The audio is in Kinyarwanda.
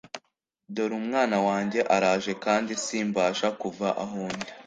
dore umwana wanjye araje kandi simbasha kuva aho ndi